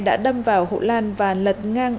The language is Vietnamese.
đã đâm vào hộ lan và lật ngang